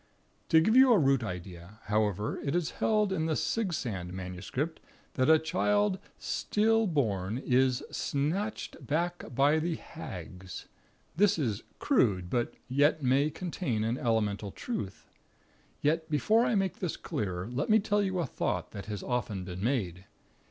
"To give you a root idea, however, it is held in the Sigsand MS. that a child '_still_born' is 'Snatyched back bye thee Haggs.' This is crude; but may yet contain an elemental truth. Yet, before I make this clearer, let me tell you a thought that has often been made.